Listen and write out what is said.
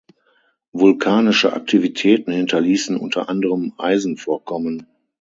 Vulkanische Aktivitäten hinterließen unter anderem Eisenvorkommen.